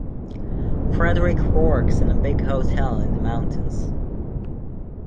Frédéric works in a big hotel in the mountains.